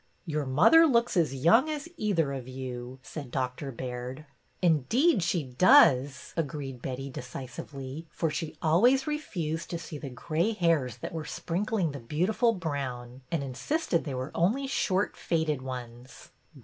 Your mother looks as young as either of you," said Dr. Baird. " Indeed she does," agreed Betty, decisively, for she always refused to see the gray hairs that were sprinkling the beautiful brown, and insisted they were only short faded ones.